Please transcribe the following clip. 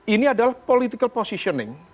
ini adalah political positioning